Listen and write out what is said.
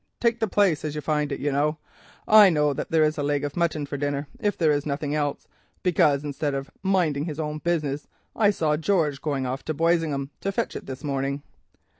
—take the place as you find it, you know. I believe that there is a leg of mutton for dinner if there is nothing else, because instead of minding his own business I saw George going off to Boisingham to fetch it this morning.